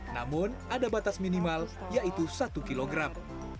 namun ada batas minimal yaitu satu kilogram